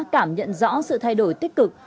cảm nhận rõ sự thay đổi tích cực